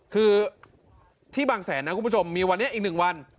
คือที่บางแสนนะคุณผู้ชมมีวันนี้อีก๑วัน